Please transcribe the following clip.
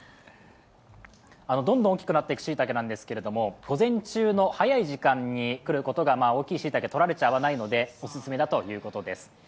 どんどん大きくなっていくしいたけなんですけど午前中の早い時間に来ることが大きいしいたけを取られちゃわないのでおすすめだということです。